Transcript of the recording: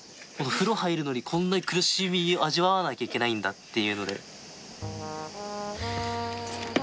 風呂入るのにこんな苦しみ味わわなきゃいけないんだって。